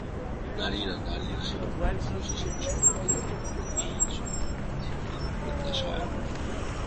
নারীরা নারী হিসেবে নয়, মানুষ হিসেবে সম্মানিত হোক, এটাই সাথীর প্রত্যাশা।